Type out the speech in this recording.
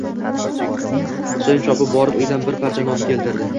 Husayin chopib borib, uydan bir parcha non keltirdi.